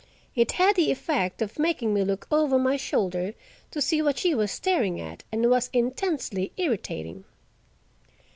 It had the effect of making me look over my shoulder to see what she was staring at, and was intensely irritating.